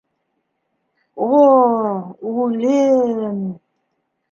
О, Үлем!